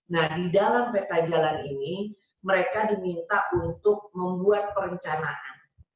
nah di dalam peta jalan ini mereka diminta untuk membuat perencanaan